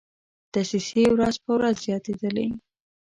دسیسې ورځ په ورځ زیاتېدلې.